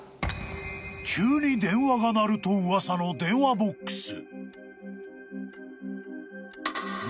［急に電話が鳴ると噂の電話ボックス］